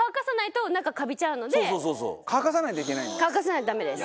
乾かさないとダメです。